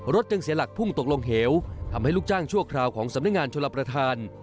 จึงเสียหลักพุ่งตกลงเหวทำให้ลูกจ้างชั่วคราวของสำนักงานชลประธาน